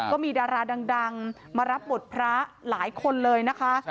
ก็มีดาราดังมารับบทพระหลายคนเลยนะคะ